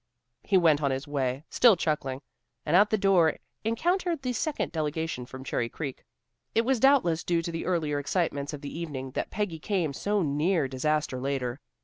He went on his way, still chuckling, and at the door encountered the second delegation from Cherry Creek. It was doubtless due to the earlier excitements of the evening that Peggy came so near disaster later.